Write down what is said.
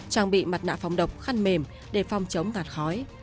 trang bị mặt nạ phòng độc khăn mềm để phòng chống ngạt khói